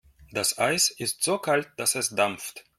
Das Eis ist so kalt, dass es dampft.